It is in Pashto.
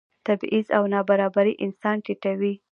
تبعیض او نابرابري انسان ټیټوي.